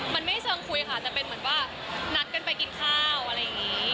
มันไม่เชิงคุยค่ะแต่เป็นเหมือนว่านัดกันไปกินข้าวอะไรอย่างนี้